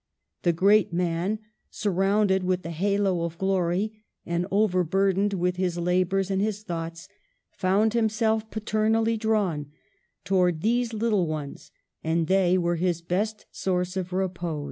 The great man, surrounded with the halo of glory, and over burdened with his la bours and his thoughts, found himself pa ternally drawn towards these little ones — and they were his best source of repose.